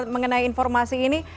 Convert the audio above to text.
mengenai informasi ini